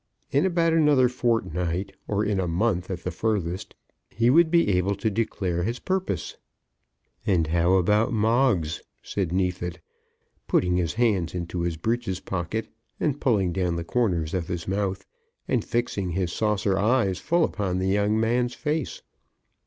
In about another fortnight, or in a month at the furthest, he would be able to declare his purpose. "And how about Moggs?" said Neefit, putting his hands into his breeches pocket, pulling down the corners of his mouth, and fixing his saucer eyes full upon the young man's face.